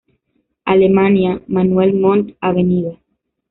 Alemania, Manuel Montt, Av.